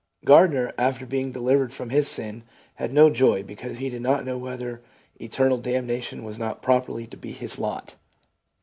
Gardiner, after being delivered from his sin, had no joy because he did not know whether eternal damnation was not properly to be his lot.